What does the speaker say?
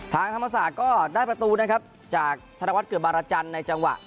ทางธรรมศาสตร์ก็ได้ประตูนะครับจากธนวัฒนเกิดบารจันทร์ในจังหวะ